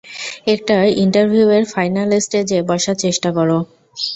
একটা ইন্টার্ভিউ এর ফাইনাল স্টেজে বসার চেষ্টা কর।